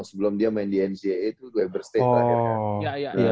sebelum dia main di ncaa itu weber state lah ya